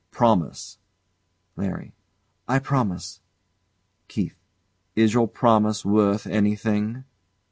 Promise. LARRY. I promise. KEITH. Is your promise worth anything?